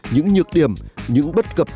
những nhược điểm những bất cập